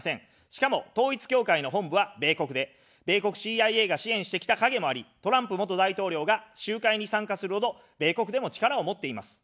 しかも、統一教会の本部は米国で、米国ＣＩＡが支援してきた影もあり、トランプ元大統領が集会に参加するほど米国でも力を持っています。